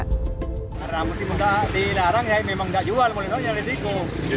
karena musimnya dilarang ya memang nggak jual boleh bolehnya risiko